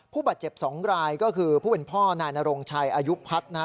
ผู้บาดเจ็บ๒รายก็คือผู้เป็นพ่อนายนโรงชัยอายุพัฒน์นะฮะ